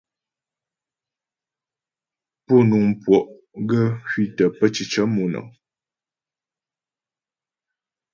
Pú nuŋ puɔ' gaə́ hwitə pə́ cǐcə monəŋ.